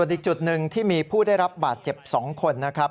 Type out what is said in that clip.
อีกจุดหนึ่งที่มีผู้ได้รับบาดเจ็บ๒คนนะครับ